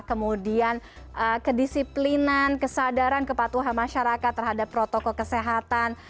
kemudian kedisiplinan kesadaran kepatuhan masyarakat terhadap protokol kesehatan